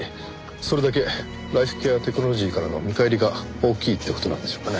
それだけライフケアテクノロジーからの見返りが大きいって事なんでしょうかね？